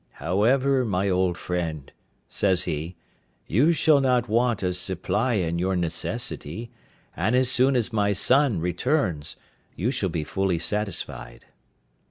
"However, my old friend," says he, "you shall not want a supply in your necessity; and as soon as my son returns you shall be fully satisfied."